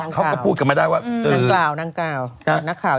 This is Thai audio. เขาก็พูดกลับมาได้ว่านางกล่าว